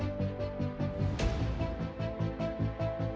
dan memperbaiki keuntungan yang terbaik